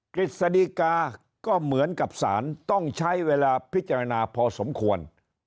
กฤษฎีกาก็เหมือนกับสารต้องใช้เวลาพิจารณาพอสมควร